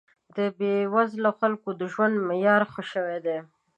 د بې وزله خلکو د ژوند معیارونه ښه شوي دي